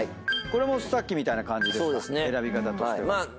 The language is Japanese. これもさっきみたいな感じですか選び方としては。